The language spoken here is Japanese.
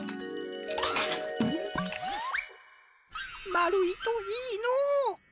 まるいといいのう。